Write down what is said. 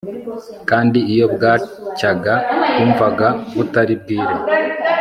kandi iyo bwacyaga twumvaga butari bwire